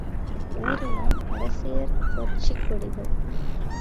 ஊரெலாம் அரசியற் கட்சிக் கொடிகள்!